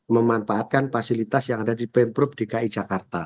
memanfaatkan fasilitas yang ada di pemprobe di ki jakarta